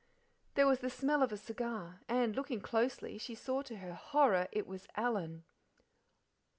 There was the smell of a cigar, and, looking closely, she saw to her horror it was Alan.